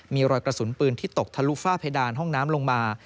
มีรอยกระสุนปืนที่ตกทะลุฝ้าเพดานห้องน้ำลงมา